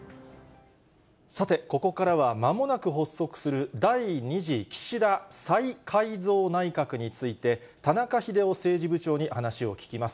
さて、ここからはまもなく発足する第２次岸田再改造内閣について、田中秀雄政治部長に話を聞きます。